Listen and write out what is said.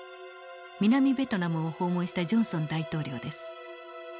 南ベトナムを訪問したジョンソン大統領です。